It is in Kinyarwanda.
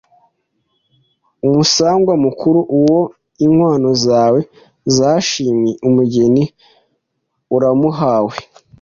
Umusangwa mukuru: Uwo inkwano zawe zashimwe umugeni uramuhawe